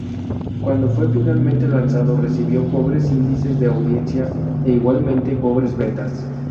Cuando fue finalmente lanzado recibió pobres índices de audiencia e igualmente pobres ventas.